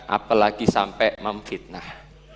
apalagi sampai memfitnah